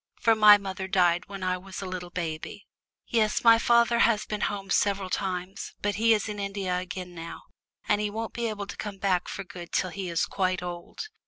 For my mother died when I was a little baby. Yes, my father has been home several times, but he is in India again now, and he won't be able to come back for good till he is quite old.